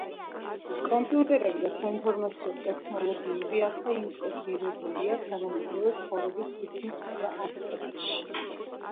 კომპიუტერები და საინფორმაციო ტექნოლოგიები ახლა ინტეგრირებულია თანამედროვე ცხოვრების თითქმის ყველა ასპექტში.